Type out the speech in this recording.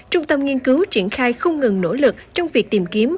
trung tâm nghiên cứu triển khai không ngừng nỗ lực trong việc tìm kiếm